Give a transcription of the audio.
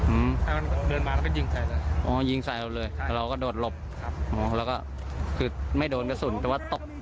อืมเดินมาก็ยิงใส่จริงไส่เอาเลยเราก็โดดลบแล้วก็ไม่โดนกระสุนแกว่าตบ